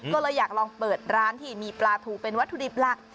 ก็เลยอยากลองเปิดร้านที่มีปลาถูเป็นวัตถุดิบหลัก